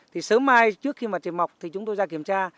thì sớm mai trước khi mà trường mọc thì chúng tôi ra kiểm tra